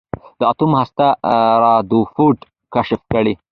د اتوم هسته رادرفورډ کشف کړه.